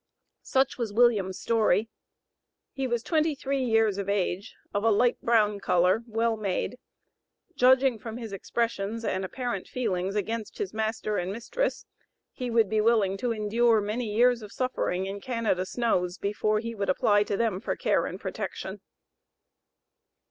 Such was William's story. He was twenty three years of age, of a light brown color, well made. Judging from his expressions and apparent feelings against his master and mistress, he would be willing to endure many years of suffering in Canada snows, before he would apply to them for care and protection.